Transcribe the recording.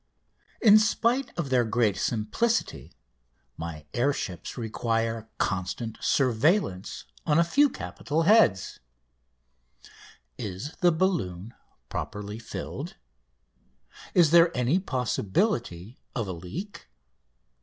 In spite of their great simplicity my air ships require constant surveillance on a few capital heads: Is the balloon properly filled? Is there any possibility of a leak?